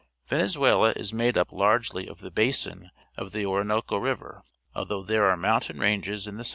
— Vene zuela is made up largely of the basin of the Orinoco River, although there are moun tain ranges in the